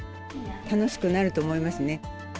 楽しくなると思いますね。